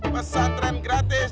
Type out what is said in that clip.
pesan terenggelat gratis